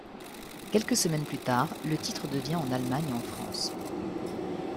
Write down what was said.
Quelques semaines plus tard, le titre devient en Allemagne et en France.